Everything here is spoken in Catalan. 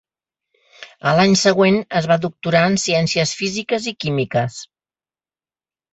A l'any següent es va doctorar en ciències físiques i químiques.